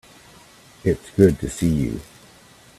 It's good to see you.